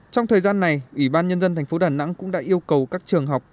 trong thời gian này ủy ban nhân dân thành phố đà nẵng cũng đã yêu cầu các trường học